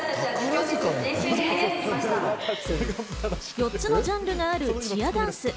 ４つのジャンルがあるチアダンス。